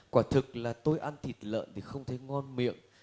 quả thực là tôi ăn thịt lợn thì không thấy ngon miệng